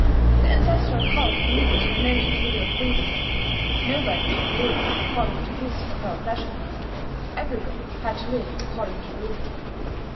The ancestral cult permitted no individual freedom: nobody could live according to his or her pleasure; every one had to live according to rule.